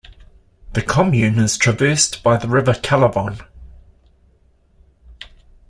The commune is traversed by the river Calavon.